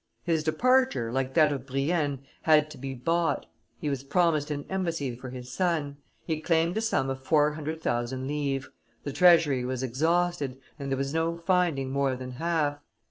His departure, like that of Brienne, had to be bought; he was promised an embassy for his son; he claimed a sum of four hundred thousand livres; the treasury was exhausted, and there was no finding more than half.